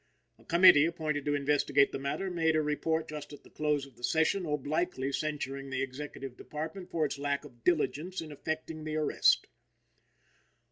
A committee appointed to investigate the matter made a report just at the close of the session obliquely censuring the Executive Department for its lack of diligence in effecting the arrest.